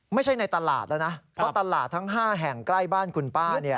ไม่ใช่ในตลาดนะตลาดทั้ง๕แห่งใกล้บ้านคุณป้า